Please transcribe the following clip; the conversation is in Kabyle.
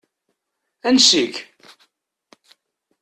Ansi-k?